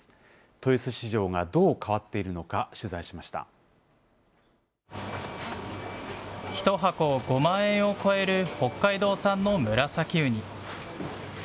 豊洲市場がどう変わっているのか１箱５万円を超える北海道産のムラサキウニ。